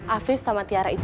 afif sama tiara itu